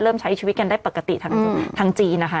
ใช้ชีวิตกันได้ปกติทางจีนนะคะ